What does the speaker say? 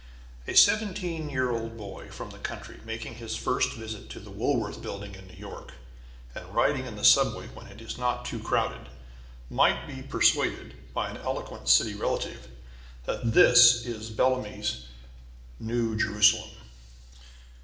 A seventeen year old boy from the country, making his first visit to the Woolworth building in New York, and riding in the subway when it is not too crowded, might be persuaded by an eloquent city relative that this is Bellamy's New Jerusalem.